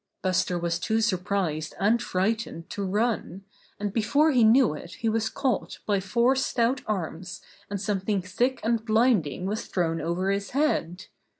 Buster was too surprised and frightened to run, and before he knew it he was caught by four stout arms and something thick and blinding was thrown over his head.